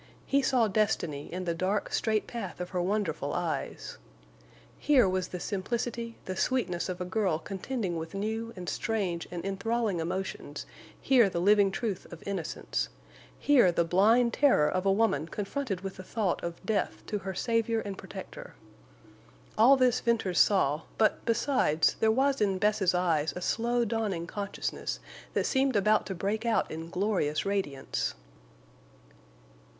He saw destiny in the dark, straight path of her wonderful eyes. Here was the simplicity, the sweetness of a girl contending with new and strange and enthralling emotions here the living truth of innocence; here the blind terror of a woman confronted with the thought of death to her savior and protector. All this Venters saw, but, besides, there was in Bess's eyes a slow dawning consciousness that seemed about to break out in glorious radiance.